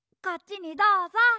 こっちにどうぞ！